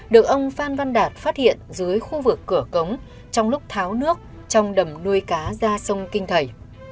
được ông phan văn đạt phát hiện dưới khu vực cửa cống trong lúc tháo nước trong đầm nuôi cá ra sông kinh thầy